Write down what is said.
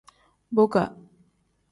Boka.